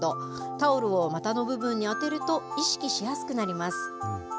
タオルを股の部分に当てると、意識しやすくなります。